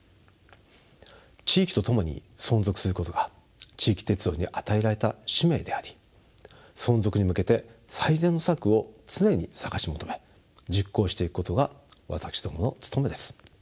地域と共に存続することが地域鉄道に与えられた使命であり存続に向けて最善の策を常に探し求め実行していくことが私どもの務めです。